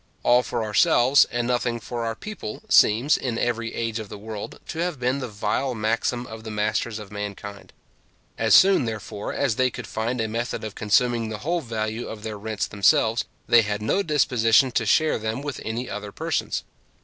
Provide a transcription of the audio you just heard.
All for ourselves, and nothing for other people, seems, in every age of the world, to have been the vile maxim of the masters of mankind. As soon, therefore, as they could find a method of consuming the whole value of their rents themselves, they had no disposition to share them with any other persons.